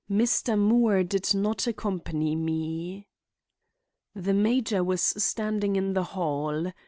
Mr. Moore did not accompany me. The major was standing in the hall.